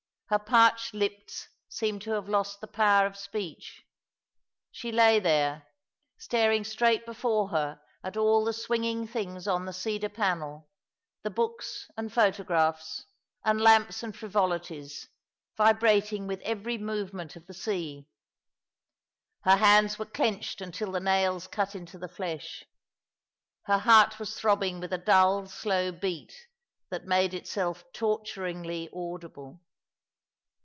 Her parched lips seemed to have lost the power of speech. She lay there, •Btaring straight before her at all the swinging things on the cedar panel— the books and photographs — and lamps and frivolities, vibrating with every movement of ■ the sea. Her hands were clenched until the nails cut into the flesh. Her heart was throbbing with a dull, slow beat that made itself torturingly audible.